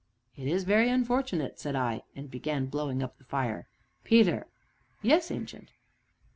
"It is very unfortunate!" said I, and began blowing up the fire. "Peter." "Yes, Ancient?"